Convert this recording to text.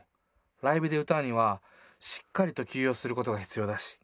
ライブで歌うにはしっかりと休養することが必要だし。